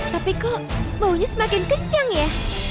tapi kok baunya semakin kencang ya